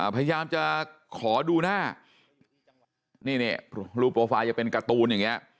พยายามจะขอดูหน้านี่รูปโปรไฟล์จะเป็นการ์ตูนอย่างนี้